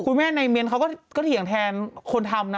คุณแม่ในเมียนเขาก็เถียงแทนคนทำนะ